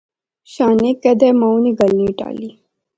شانے کیدے مائو نی گل نی ٹالی